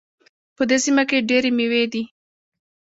په دې سیمه کې ډېري میوې دي